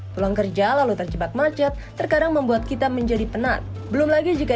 pulang kerja lalu terjebak macet terkadang membuat kita menjadi penat belum lagi jika